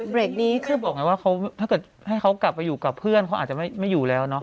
เบรกนี้คือบอกไงว่าเขาถ้าเกิดให้เขากลับไปอยู่กับเพื่อนเขาอาจจะไม่อยู่แล้วเนาะ